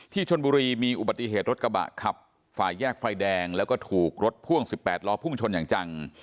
ชนบุรีมีอุบัติเหตุรถกระบะขับฝ่าแยกไฟแดงแล้วก็ถูกรถพ่วง๑๘ล้อพุ่งชนอย่างจัง